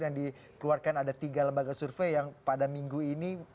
yang dikeluarkan ada tiga lembaga survei yang pada minggu ini